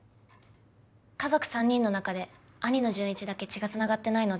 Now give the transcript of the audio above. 家族３人の中で兄の潤一だけ血が繋がってないので。